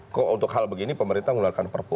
kok untuk hal begini pemerintah mengeluarkan perpu